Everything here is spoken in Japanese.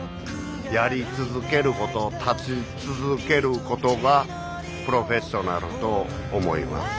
やり続けること立ち続けることがプロフェッショナルと思います。